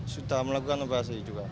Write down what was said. sudah melakukan operasi juga